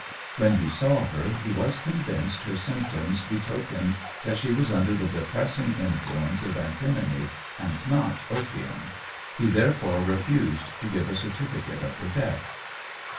When he saw her, he was convinced her symptoms betokened that she was under the depressing influence of antimony, and not opium. He therefore refused to give a certificate of her death.